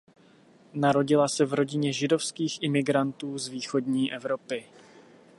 Narodila se v rodině židovských imigrantů z východní Evropy.